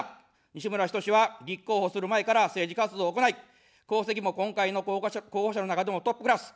西村ひとしは立候補する前から政治活動を行い、功績も今回の候補者の中でもトップクラス。